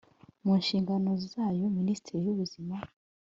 mu nshingano zayo minisiteri y'ubuzima